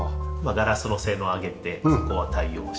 ガラスの性能を上げてそこは対応して。